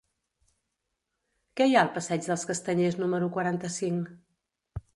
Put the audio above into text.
Què hi ha al passeig dels Castanyers número quaranta-cinc?